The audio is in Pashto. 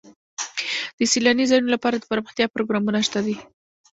د سیلاني ځایونو لپاره دپرمختیا پروګرامونه شته دي.